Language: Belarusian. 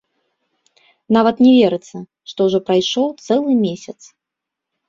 Нават не верыцца, што ўжо прайшоў цэлы месяц!